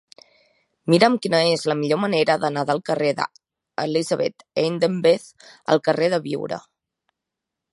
Mira'm quina és la millor manera d'anar del carrer d'Elisabeth Eidenbenz al carrer de Biure.